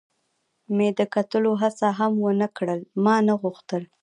مې د کتلو هڅه هم و نه کړل، ما نه غوښتل.